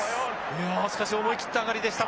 いやしかし思い切ったあがりでした。